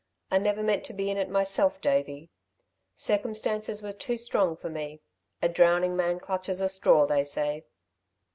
"I never meant to be in it myself, Davey. Circumstances were too strong for me. A drowning man clutches a straw, they say."